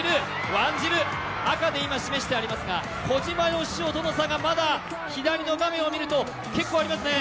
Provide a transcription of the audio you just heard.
ワンジル、赤で今示してありますが小島よしおとの差が左画面を見るとまだ結構ありますね。